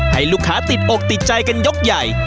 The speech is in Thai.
ให้ลูกค้าติดอกติดใจกันยกใหญ่